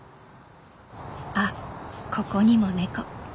あっここにもネコ。